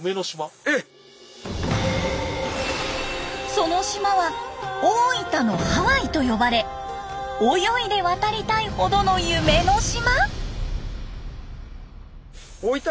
その島は大分のハワイと呼ばれ泳いで渡りたいほどの夢の島！？